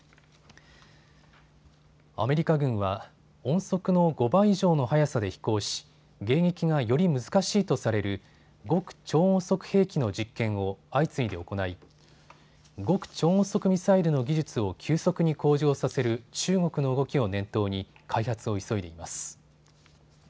アメリカ軍は音速の５倍以上の速さで飛行し迎撃がより難しいとされる極超音速兵器の実験を相次いで行い極超音速ミサイルの技術を急速に向上させる中国の動きを念頭に開発を急いでいます。